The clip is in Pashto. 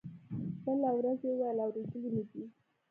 بله ورځ يې وويل اورېدلي مې دي.